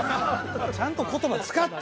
ちゃんと言葉使って！